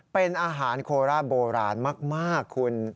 เป็นอาหารโคร่าโบราณมากคุณ